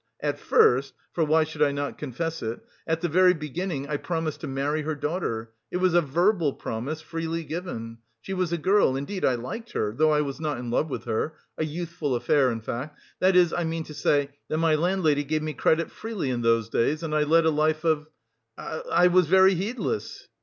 at first... for why should I not confess it, at the very beginning I promised to marry her daughter, it was a verbal promise, freely given... she was a girl... indeed, I liked her, though I was not in love with her... a youthful affair in fact... that is, I mean to say, that my landlady gave me credit freely in those days, and I led a life of... I was very heedless..."